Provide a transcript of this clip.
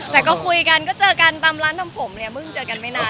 แต่ก็คุยกันก็เจอกันตามร้านทำผมเนี่ยเพิ่งเจอกันไม่นาน